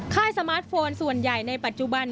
ค่ายสมาร์ทโฟนส่วนใหญ่ในปัจจุบัน